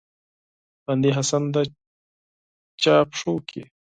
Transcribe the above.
بندي حسن د چا پښو کې